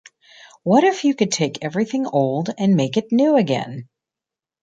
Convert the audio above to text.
What if you could take everything old and make it new again?